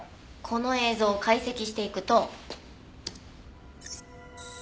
この映像を解析していくと。